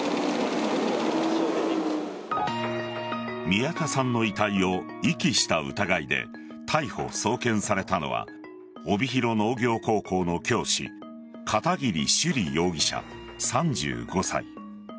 宮田さんの遺体を遺棄した疑いで逮捕・送検されたのは帯広農業高校の教師片桐朱璃容疑者、３５歳。